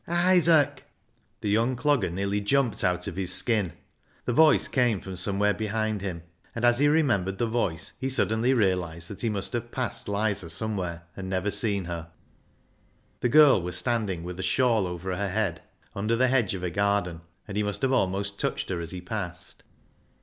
" Isaac !" The young dogger nearly jumped out of his skin. The voice came from somewhere behind him, and as he remembered the voice he suddenly realised that he must have passed Lizer somewhere and never seen her. The girl was standing with a shawl over her head, under the hedge of a garden, and he must have almost touched her as he passed.